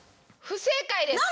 不正解です。